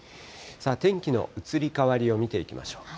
天気の移り変わりを見ていきましょう。